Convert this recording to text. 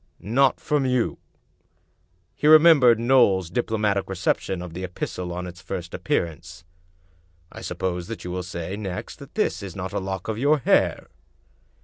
"Not from you?" He remembered Knowles's diplo matic reception of the epistle on its first appearance. " I suppose that you will say next that this is not a lock of your hair?"